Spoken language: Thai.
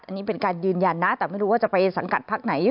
อันนี้เป็นการยืนยันนะแต่ไม่รู้ว่าจะไปสังกัดพักไหน